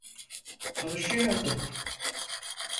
Konuşuyorduk.